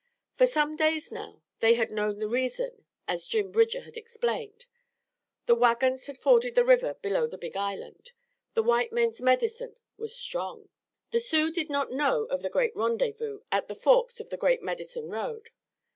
For some days now they had known the reason, as Jim Bridger had explained the wagons had forded the river below the Big Island. The white men's medicine was strong. The Sioux did not know of the great rendezvous at the forks of the Great Medicine Road.